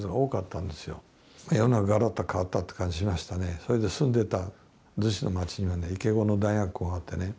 それで住んでた逗子の町には池子の大学校があってね